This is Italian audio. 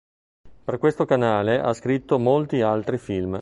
Per questo canale ha scritto molti altri film.